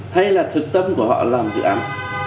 hay là thực tâm của họ làm dự án